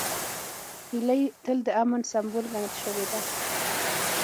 هیلۍ تل د امن سمبول ګڼل شوې ده